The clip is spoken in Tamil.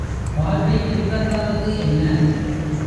பார்வை விரிவதாவது என்ன?